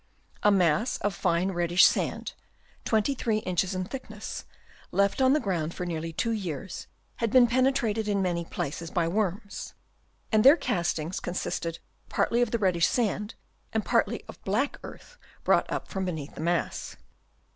A mass of fine reddish sand, 23 inches in thickness, left on the ground for nearly two years, had been penetrated in many places by worms ; and their castings consisted partly of the reddish sand and partly of black earth brought up from beneath the mass.